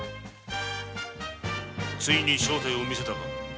ついに正体を見せたか。